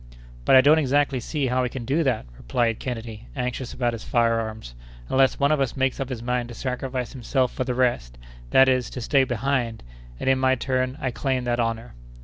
"But I don't exactly see how we can do that?" replied Kennedy, anxious about his fire arms, "unless one of us makes up his mind to sacrifice himself for the rest,—that is, to stay behind, and, in my turn, I claim that honor."